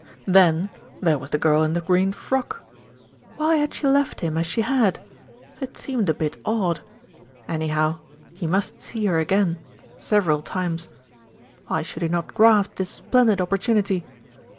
Then, there was the girl in the green frock. Why had she left him as she had? It seemed a bit odd. Any how he must see her again several times. Why should he not grasp this splendid opportunity?